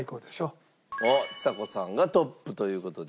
おっちさ子さんがトップという事で。